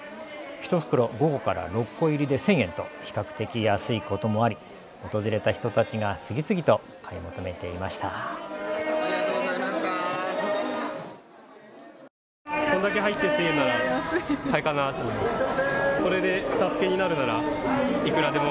１袋５個から６個入りで１０００円と比較的安いこともあり訪れた人たちが次々と買い求めていました。